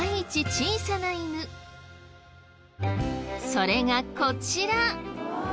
それがこちら。